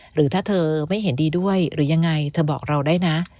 หรือถ้าเธอไม่เห็นดีด้วยหรือยังไงเธอบอกเราได้นะ